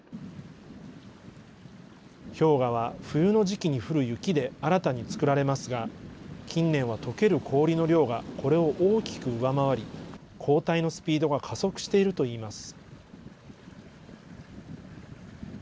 氷河は冬の時期に降る雪で新たに作られますが、近年はとける氷の量がこれを大きく上回り、後退のスピードが加速しているといいます。